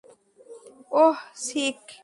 ওহ, sick!